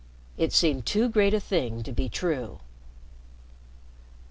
It seemed too great a thing to be true.